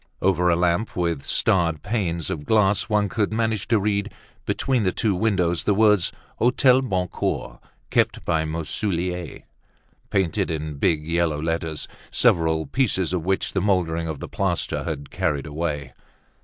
Over a lamp with starred panes of glass, one could manage to read, between the two windows, the words, "Hotel Boncoeur, kept by Marsoullier," painted in big yellow letters, several pieces of which the moldering of the plaster had carried away.